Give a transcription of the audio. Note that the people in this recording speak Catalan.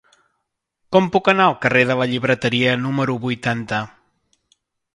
Com puc anar al carrer de la Llibreteria número vuitanta?